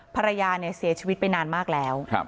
ภรรยาเนี่ยเสียชีวิตไปนานมากแล้ว